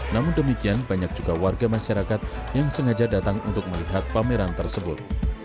namun demikian banyak juga warga masyarakat yang sengaja datang untuk melihat pameran tersebut